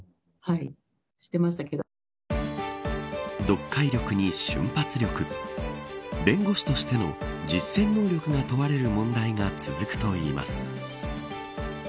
読解力に瞬発力弁護士としての実践能力が問われる問題が続くといいます。